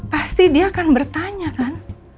pasti dia akan bertanya kan